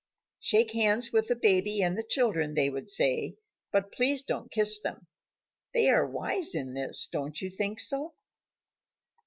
"Shake hands with the baby and the children," they would say, "but please don't kiss them." They are wise in this, don't you think so?